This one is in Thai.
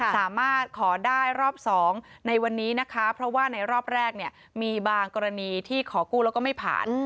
สามารถขอได้รอบ๒ในวันนี้นะคะเพราะว่าในรอบแรกเนี่ยมีบางกรณีที่ขอกู้แล้วก็ไม่ผ่าน